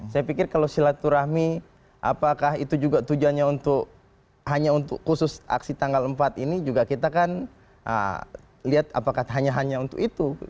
saya pikir kalau silaturahmi apakah itu juga tujuannya untuk hanya untuk khusus aksi tanggal empat ini juga kita kan lihat apakah hanya untuk itu